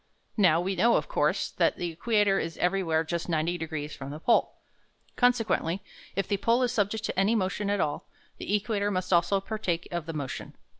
Now we know, of course, that the equator is everywhere just 90 degrees from the pole. Consequently, if the pole is subject to any motion at all, the equator must also partake of the motion.